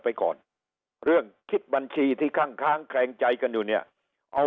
ไปก่อนเรื่องคิดบัญชีที่คั่งค้างแคลงใจกันอยู่เนี่ยเอา